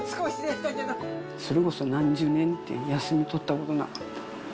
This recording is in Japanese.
それこそ何十年って、休み取ったことなかった。